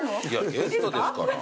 ゲストですから。